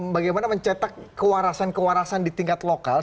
bagaimana mencetak kewarasan kewarasan di tingkat lokal